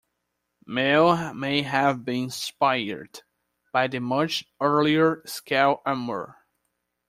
Mail may have been inspired by the much earlier scale armour.